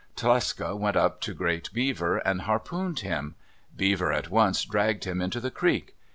Tlecsa went up to Great Beaver and harpooned him. Beaver at once dragged him into the creek.